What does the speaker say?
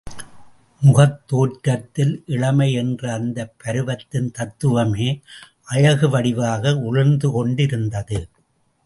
முகத் தோற்றத்தில் இளமை என்ற அந்தப் பருவத்தின் தத்துவமே அழகு வடிவாக ஒளிர்ந்து கொண்டிருந்தது.